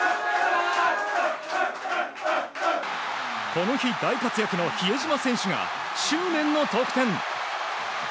この日、大活躍の比江島選手が執念の得点。